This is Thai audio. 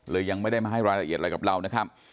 ยังไม่ได้มาให้รายละเอียดอะไรกับเรานะครับ